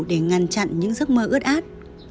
để ngăn chặn những giấc mơ ướt át